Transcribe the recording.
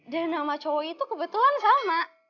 dan nama cowok itu kebetulan sama